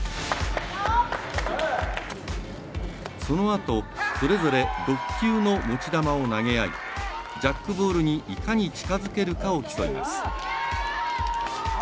そのあと、それぞれ６球の持ち球を投げ合いジャックボールにいかに近づけるかを競います。